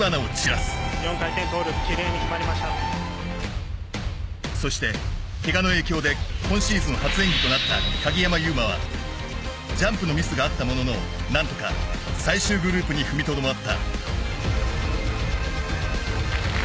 ４回転トゥループそして、ケガの影響で今シーズン初演技となった鍵山優真はジャンプのミスがあったものの何とか最終グループに踏みとどまった。